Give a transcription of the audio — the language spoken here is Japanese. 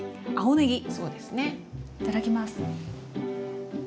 いただきます。